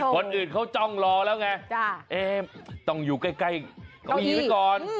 คนอื่นเค้าจ้องรอแล้วนะเนี่ยต้องอยู่ใกล้ก้องอี่ไว้ก่อน